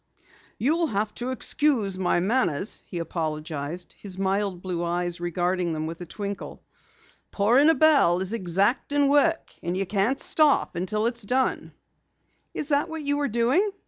"You'll have to excuse my manners," he apologized, his mild blue eyes regarding them with a twinkle. "Pouring a bell is exacting work and you can't stop until it's done." "Is that what you were doing?"